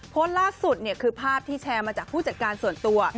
โพสต์ล่าสุดคือภาพที่แชร์มาจากผู้จัดการส่วนตัว